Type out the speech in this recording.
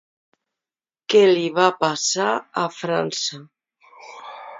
Què li va passar a França?